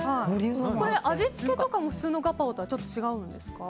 味付けとかも普通のガパオとは違うんですか？